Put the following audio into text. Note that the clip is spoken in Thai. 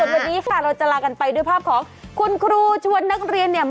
วันนี้ค่ะเราจะลากันไปด้วยภาพของคุณครูชวนนักเรียนเนี่ย